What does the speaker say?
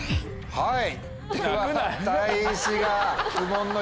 はい。